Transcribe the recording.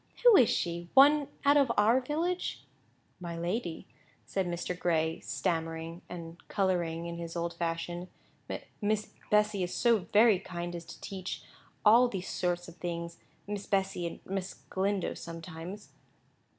Who is she? One out of our village?" "My lady," said Mr. Gray, stammering and colouring in his old fashion, "Miss Bessy is so very kind as to teach all those sorts of things—Miss Bessy, and Miss Galindo, sometimes."